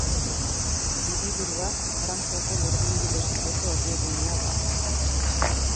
Hiriburua, Frantziako burdinbide sareko erdigunea da.